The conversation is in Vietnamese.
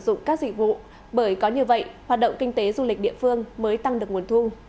sử dụng các dịch vụ bởi có như vậy hoạt động kinh tế du lịch địa phương mới tăng được nguồn thu